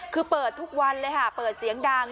คือเปิดทุกวันเลยค่ะเปิดเสียงดัง